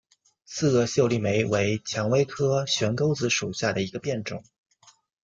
刺萼秀丽莓为蔷薇科悬钩子属下的一个变种。